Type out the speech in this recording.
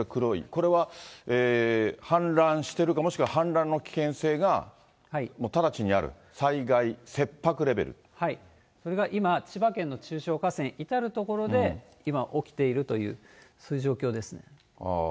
これは氾濫してるか、もしくは氾濫の危険性が直ちにある、それが今、千葉県の中小河川、至る所で今起きている、そういう状況ですね。